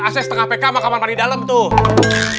aset setengah pk mahkamah mahkamah di dalam tuh